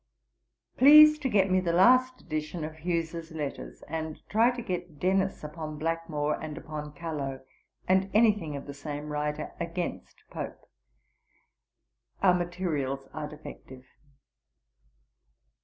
'Please to get me the last edition of Hughes's Letters; and try to get Dennis upon Blackmore, and upon Calo, and any thing of the same writer against Pope. Our materials are defective.'